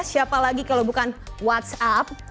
siapa lagi kalau bukan whatsapp